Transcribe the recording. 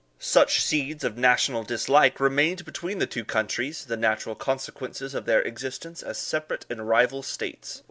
Such seeds of national dislike remained between the two countries, the natural consequences of their existence as separate and rival states.